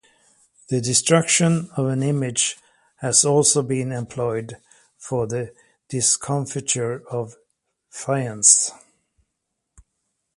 The destruction of an image has also been employed for the discomfiture of fiends.